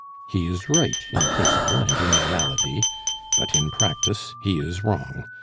He is right in principle and in morality; but in practice he is wrong.